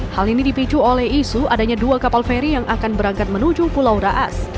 hal ini dipicu oleh isu adanya dua kapal feri yang akan berangkat menuju pulau raas